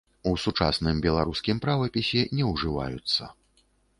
У сучасным беларускім правапісе не ўжываюцца.